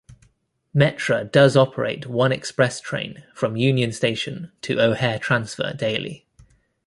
Metra does operate one express train from Union Station to O'Hare Transfer daily.